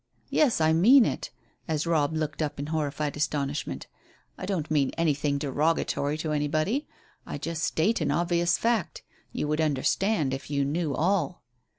"Yes, I mean it," as Robb looked up in horrified astonishment. "I don't mean anything derogatory to anybody. I just state an obvious fact. You would understand if you knew all."